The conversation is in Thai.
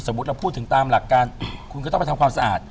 เราพูดถึงตามหลักการคุณก็ต้องไปทำความสะอาด